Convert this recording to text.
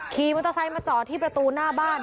ขี่มอเตอร์ไซค์มาจอดที่ประตูหน้าบ้าน